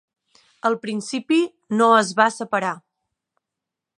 Al principi, no es va separar.